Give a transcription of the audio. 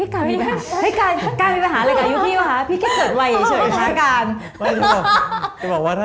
ก้างมีปัญหาอะไรกับอายุพี่อะพี่ก็เกิดวัยเฉยแล้วกัน